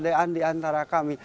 ada perbedaan di antara kami